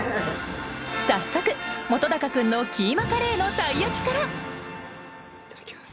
早速本君のキーマカレーのたい焼きからいただきます。